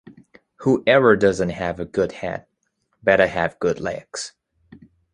Whoever doesn’t have a good head, better have good legs.